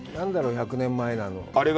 １００年前のあの。